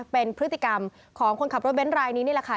เป็นพฤติกรรมของคนขับรถเบ้นรายนี้นี่แหละค่ะ